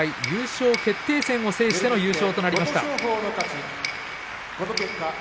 優勝決定戦を制しての優勝となりました。